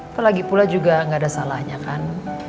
apalagi pula juga gak ada salahnya kan